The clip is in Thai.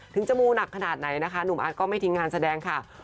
ถึงจะมูหนักขนาดไหนนะคะหนุ่มอาร์ตก็ไม่ทิ้งงานแสดงค่ะ